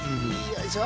よいしょ！